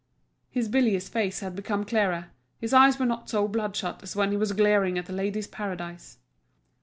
His bilious face had become clearer, his eyes were not so bloodshot as when he was glaring at The Ladies' Paradise.